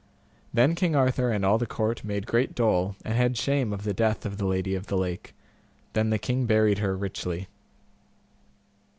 Then King Arthur and all the court made great dole and had shame of the death of the Lady of the Lake. Then the king buried her richly.